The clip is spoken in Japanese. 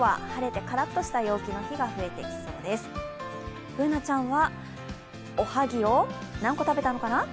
Ｂｏｏｎａちゃんはおはぎを何個食べたのかな？